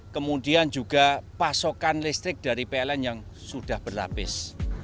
kemudian juga pasokan listrik dari pln yang sudah berlapis